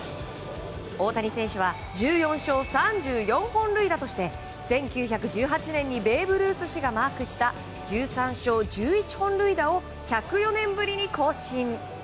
大谷選手は１４勝３４本塁打として１９１８年にベーブ・ルース氏がマークした１３勝１１本塁打を１０４年ぶりに更新。